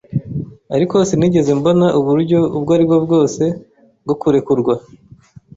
Ariko sinigeze mbona uburyo ubwo aribwo bwose bwo kurekurwa.